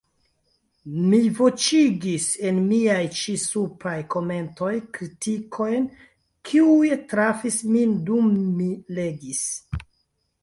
Mi voĉigis en miaj ĉi-supraj komentoj kritikojn, kiuj trafis min dum mi legis.